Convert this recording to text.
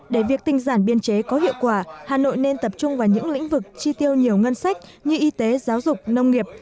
để việc tinh giản biên chế có hiệu quả hà nội nên tập trung vào những lĩnh vực chi tiêu nhiều ngân sách như y tế giáo dục nông nghiệp